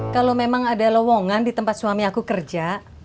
kalau memang ada lowongan di tempat suami aku kerja